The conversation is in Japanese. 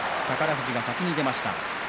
富士が先に出ました。